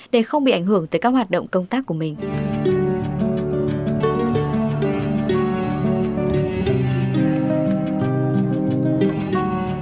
để không bị ảnh hưởng tới các hoạt động công tác của mình